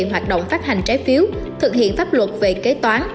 hoạt động phát hành trái phiếu thực hiện pháp luật về kế toán